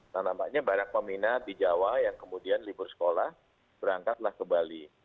dan nampaknya banyak peminat di jawa yang kemudian libur sekolah berangkatlah ke bali